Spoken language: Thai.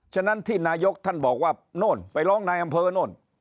ฉะนั้นที่นายกท่านบอกว่าโน่นไปร้องนายอำเภอโน่น